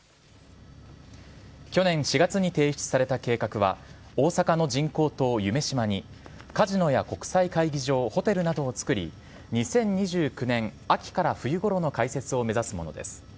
去年４月に提出された計画は大阪の人工島・夢洲にカジノや国際会議場ホテルなどをつくり２０２９年秋から冬ごろの開設を目指すものです。